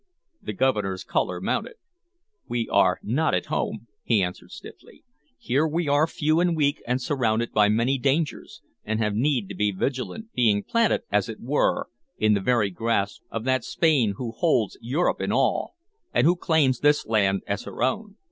The Governor's color mounted. "We are not at home," he answered stiffly. "Here we are few and weak and surrounded by many dangers, and have need to be vigilant, being planted, as it were, in the very grasp of that Spain who holds Europe in awe, and who claims this land as her own.